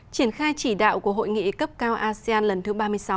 triển khai chỉ đạo của hội nghị cấp cao asean lần thứ ba mươi sáu